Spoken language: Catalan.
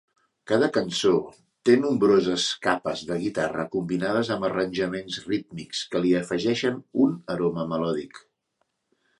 Cada cançó té nombroses capes de guitarra combinades amb arranjaments rítmics, que li afegeixen un "aroma melòdic".